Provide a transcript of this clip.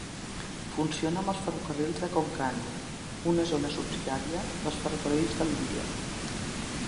Funciona amb els ferrocarrils de Konkan, una zona subsidiària dels ferrocarrils de l'Índia.